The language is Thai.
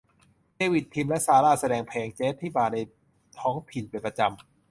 เดวิด ทิม และซาร่าห์แสดงเพลงแจ๊ซที่บาร์ในท้องถิ่นเป็นประจำ